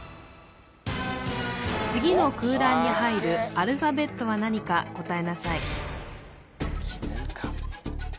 次の空欄に入るアルファベットは何か答えなさい